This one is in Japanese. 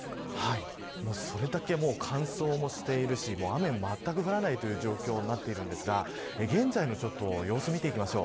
それだけ乾燥もしているし雨がまったく降らないという状況になっていますが現在の様子を見ていきましょう。